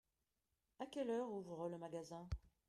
À quelle heure ouvre le magasin ?